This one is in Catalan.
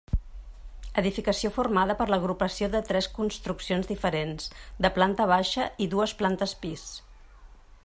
Edificació formada per l'agrupació de tres construccions diferents, de planta baixa i dues plantes pis.